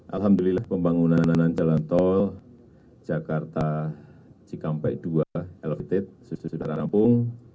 alhamdulillah pembangunan jalan tol jakarta cikampek dua elevated sudah rampung